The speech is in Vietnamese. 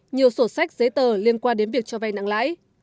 nhiều sổ sách giấy tờ liên quan đến việc cho vay nặng lãi